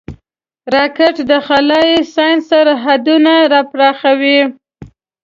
راکټ د خلایي ساینس سرحدونه پراخوي